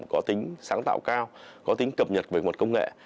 có tính sáng tạo cao có tính cập nhật về một công nghệ